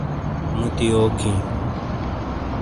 موتی یوک ہی؟